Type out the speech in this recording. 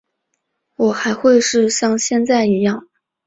我还会是像现在一样